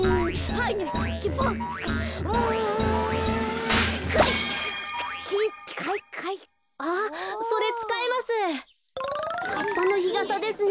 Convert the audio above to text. はっぱのひがさですね。